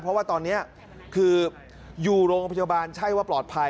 เพราะว่าตอนนี้คืออยู่โรงพยาบาลใช่ว่าปลอดภัย